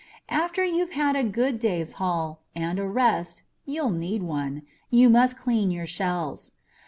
After you've had a good day's haul and a rest (you'll need one) you must clean your shells.